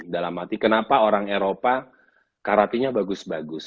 dalam arti kenapa orang eropa karate nya bagus bagus